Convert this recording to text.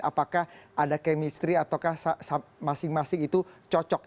apakah ada kemistri ataukah masing masing itu cocok